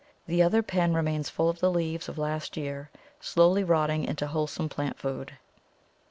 The other pen remains full of the leaves of last year, slowly rotting into wholesome plant food.